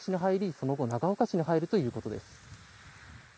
その後、長岡市に入るということです。